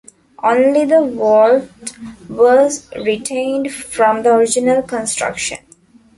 Only the vault was retained from the original construction.